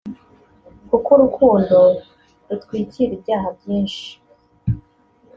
kuko urukundo rutwikira ibyaha byinshi…”